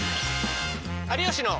「有吉の」。